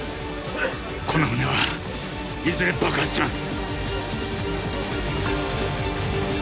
この船はいずれ爆発します